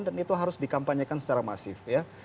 dan itu harus dikampanyekan secara masif